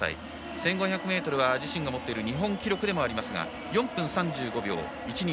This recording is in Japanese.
１５００ｍは自身が持っている日本記録でもありますが４分３５秒１２。